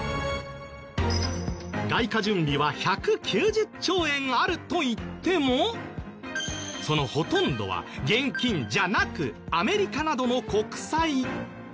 外貨準備は１９０兆円あるといってもそのほとんどは現金じゃなくアメリカなどの国債。